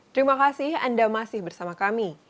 terima kasih anda masih bersama kami